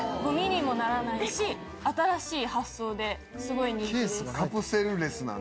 ゴミにもならないし新しい発想ですごい人気です。